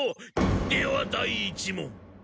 では第１問！